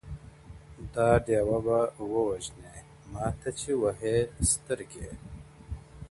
دا ډېوه به ووژنې، ماته چي وهې سترگي~